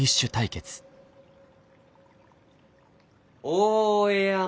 「大江山」。